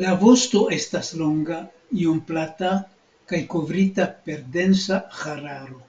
La vosto estas longa, iom plata kaj kovrita per densa hararo.